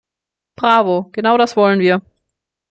Bravo, genau das wollen wir.